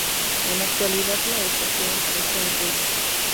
En la actualidad la estación está en ruinas.